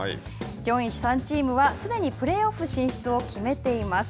上位３チームはすでにプレーオフ進出を決めています。